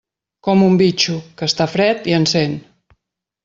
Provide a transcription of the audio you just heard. Com un bitxo, que està fred i encén.